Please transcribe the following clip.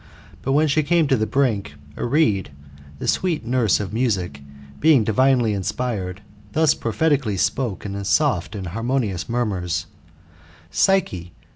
But when she came to the brink,^xefida4ll? sweet nurse of music,^ being divinely inspired, thus prophetically spoke In soft and harmonious murmurs :" Psyche